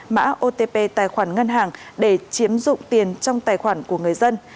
mã otp tài khoản ngân hàng để chiếm dụng tiền trong tài khoản của người dân